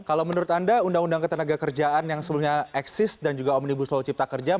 kalau menurut anda undang undang ketenaga kerjaan yang sebelumnya eksis dan juga omnibusnya apa yang akan terjadi